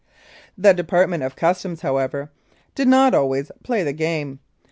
The Department of Customs, however, did not always "play the game."